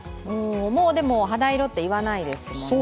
もう肌色って言わないですもんね。